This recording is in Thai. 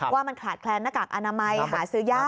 ว่ามันขาดแคลนหน้ากากอนามัยหาซื้อยาก